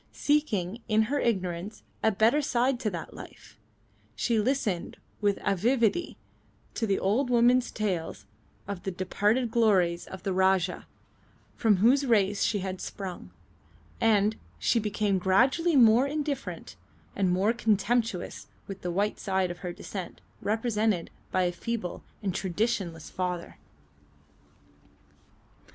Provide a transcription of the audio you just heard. Seeking, in her ignorance, a better side to that life, she listened with avidity to the old woman's tales of the departed glories of the Rajahs, from whose race she had sprung, and she became gradually more indifferent, more contemptuous of the white side of her descent represented by a feeble and traditionless father.